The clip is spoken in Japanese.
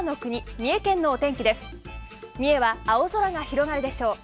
三重は青空が広がるでしょう。